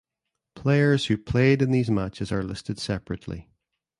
Players who played in these matches are listed separately.